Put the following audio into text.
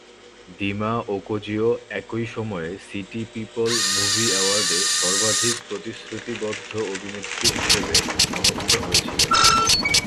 দিমা-ওকোজিও একই সময়ে City People Movie অ্যাওয়ার্ডে সর্বাধিক প্রতিশ্রুতিবদ্ধ অভিনেত্রী হিসেবে মনোনীত হয়েছিলেন।